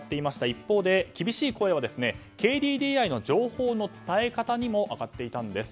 一方で厳しい声はＫＤＤＩの情報の伝え方にも上がっていたんです。